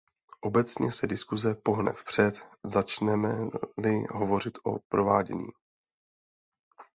Obecně se diskuse pohne vpřed, začneme-li hovořit o provádění.